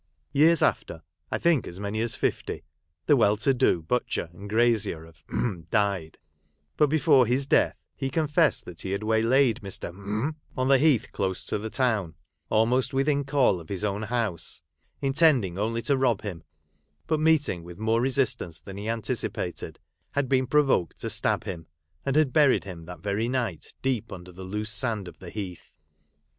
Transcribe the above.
Years after, I think as many as fifty, the well to do butcher and grazier of died ; but, before his death, he confessed that he had way laid Mr. • on the heath close to the town, almost within call of hig own house, intending only to rob him, but meeting with more resistance than he anti cipated, had been provoked to stab him ; and had buried him that very night deep under the loose sand of the heath.